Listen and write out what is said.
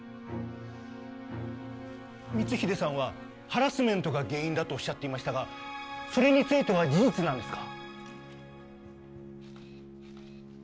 光秀さんはハラスメントが原因だとおっしゃっていましたがそれについては事実なんですか？